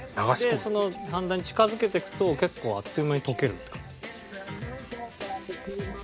でそのはんだに近づけていくと結構あっという間に溶ける。